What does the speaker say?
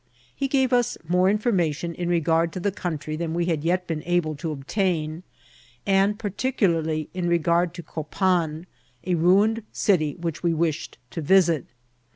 He gave us more information in regard to the country than we had yet been able to obtain, and par ticularly in regard to Copan, a ruined city which we wished to visit.